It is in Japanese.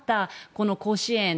この甲子園